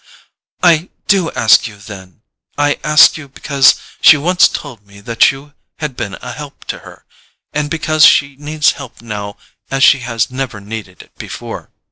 "I do ask you, then; I ask you because she once told me that you had been a help to her, and because she needs help now as she has never needed it before.